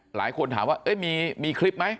หลายคนถามว่ามีคลิปไหม